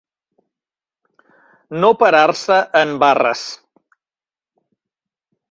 No parar-se en barres.